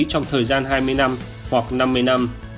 trong thời gian hai mươi năm hoặc năm mươi năm